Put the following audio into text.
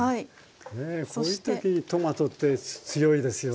ねえこういう時にトマトって強いですよね。